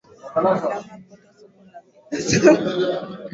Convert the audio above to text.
namna kupata soko la bidhaa zake